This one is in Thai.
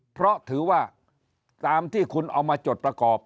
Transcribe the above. เพราะถือว่าตามที่คุณเอามาจดประกอบ